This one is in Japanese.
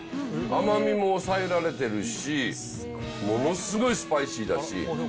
甘みも抑えられてるし、ものすごいスパイシーだし。